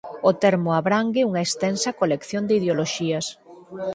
O termo abrangue unha extensa colección de ideoloxías.